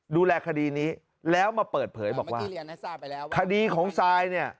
ดูแลคดีนี้แล้วมาเปิดเผยบอกว่าคดีของซายเนี่ย